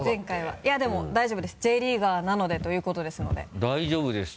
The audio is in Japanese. いやでも大丈夫です「Ｊリーガーなので」ということですので大丈夫ですきっと。